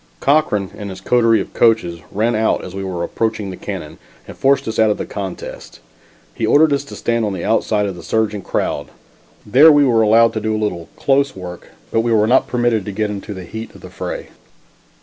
Cochran and his coterie of coachers ran out as we were approaching the cannon and forced us out of the contest. He ordered us to stand on the outside of the surging crowd. There we were allowed to do a little "close work," but we were not permitted to get into the heat of the fray.